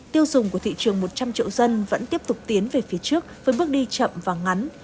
tiêu dùng của thị trường một trăm linh triệu dân vẫn tiếp tục tiến về phía trước với bước đi chậm và ngắn